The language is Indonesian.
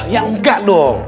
ya enggak dong